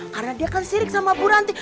karena dia kan sirik sama bu ranti